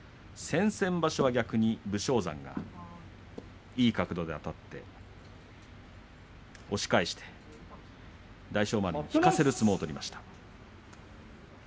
その前は、武将山がいい角度であたって押し返して大翔丸に引かせる相撲を取りました。